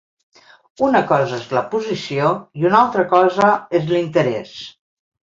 Una cosa és la posició i una altra cosa és l’interès.